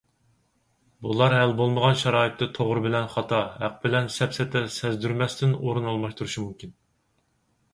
بۇلار ھەل بولمىغان شارائىتتا توغرا بىلەن خاتا، ھەق بىلەن سەپسەتە سەزدۇرمەستىن ئورۇن ئالماشتۇرۇشى مۇمكىن.